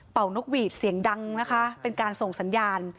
นกหวีดเสียงดังนะคะเป็นการส่งสัญญาณ